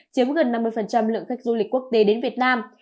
chiếm gần năm mươi lượng khách du lịch quốc tế đến việt nam